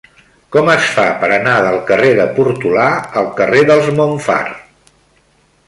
Com es fa per anar del carrer de Portolà al carrer dels Montfar?